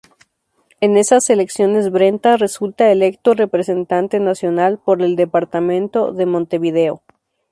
En esas elecciones Brenta resulta electo Representante Nacional por el Departamento de Montevideo.